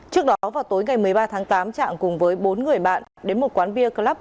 trước đó vào tối ngày một mươi ba tháng tám trạng cùng với bốn người bạn đến một quán bia club